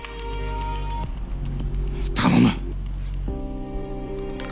頼む。